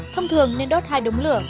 thông thường nên đốt hai đống lửa